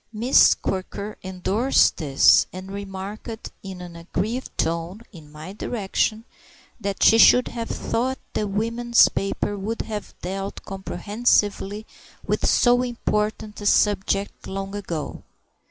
Miss Quirker endorsed this, and remarked in an aggrieved tone (in my direction) that she should have thought the women's papers would have dealt comprehensively with so important a subject long ago.